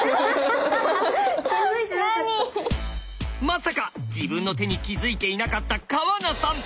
まさか自分の手に気付いていなかった川名さん！